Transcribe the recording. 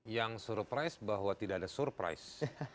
yang surprise bahwa tidak ada surprise